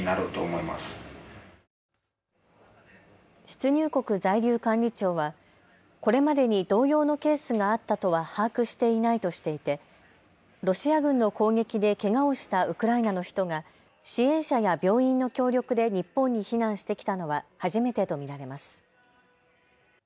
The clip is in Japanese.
出入国在留管理庁はこれまでに同様のケースがあったとは把握していないとしていてロシア軍の攻撃でけがをしたウクライナの人が支援者や病院の協力で日本に避難してきたのは初めてと見られます。